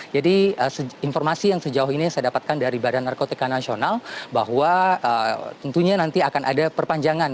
jadi informasi yang sejauh ini saya dapatkan dari bnn bahwa tentunya nanti akan ada perpanjangan